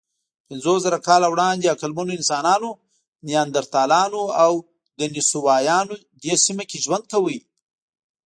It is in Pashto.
پنځوسزره کاله وړاندې عقلمنو انسانانو، نیاندرتالانو او دنیسووایانو دې سیمه کې ژوند کاوه.